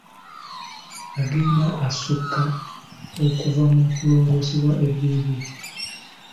Agenda assuuka okuva mu kulongoosebwa evviivi.